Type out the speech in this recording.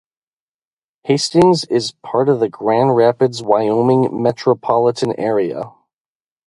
Hastings is part of the Grand Rapids-Wyoming metropolitan area.